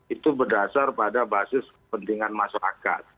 itu berdasar pada basis kepentingan masyarakat